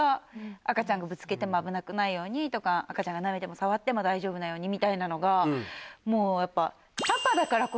赤ちゃんがぶつけても危なくないようにとか赤ちゃんがなめても触っても大丈夫なようにみたいなのがもうやっぱ。